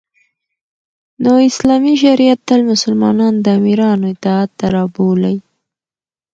نو اسلامی شریعت تل مسلمانان د امیرانو اطاعت ته رابولی